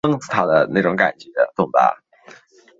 车站位于安徽省宿州市砀山县高铁新区薛口村。